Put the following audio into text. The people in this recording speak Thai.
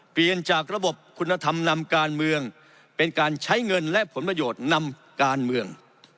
เปลี่ยนจากระบบคุณธรรมนำการเมืองเป็นการใช้เงินและผลประโยชน์นำการเมือง